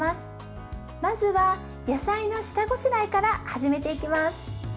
まずは、野菜の下ごしらえから始めていきます。